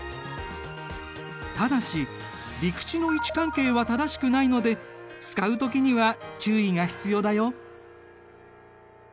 ただし陸地の位置関係は正しくないので使う時には注意が必要だよ。